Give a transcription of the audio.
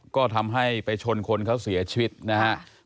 ก็ทำให้ไปชนคนเขาเสียชีวิตนะครับ